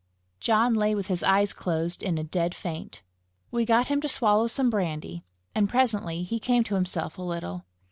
John lay with his eyes closed, in a dead faint. We got him to swallow some brandy, and presently he came to himself a little.